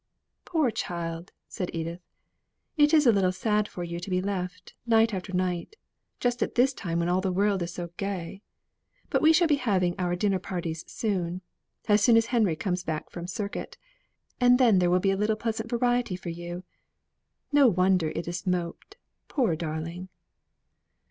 "Poor child!" said Edith. "It is a little sad for you to be left, night after night, just at this time when all the world is so gay. But we shall be having our dinner parties soon as soon as Henry comes back from circuit and then there will be a little pleasant variety for you. No wonder it is moped, poor darling!"